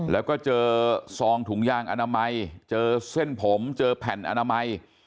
แล้วก็เจอซองถุงยางอนามัยเจอเส้นผมเจอแผ่นอนามัย